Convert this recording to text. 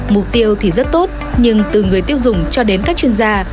mục tiêu thì rất tốt nhưng từ người tiêu dùng cho đến các chuyên gia